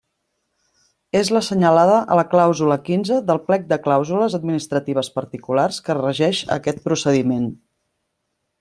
És l'assenyalada a la clàusula quinze del plec de clàusules administratives particulars que regeix aquest procediment.